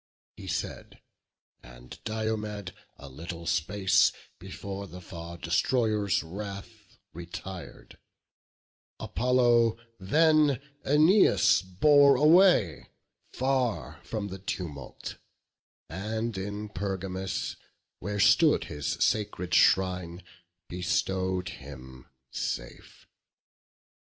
He said; and Diomed a little space Before the Far destroyer's wrath retir'd: Apollo then Æneas bore away Far from the tumult; and in Pergamus, Where stood his sacred shrine, bestow'd him safe.